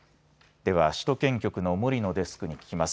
では首都圏局の森野デスクに聞きます。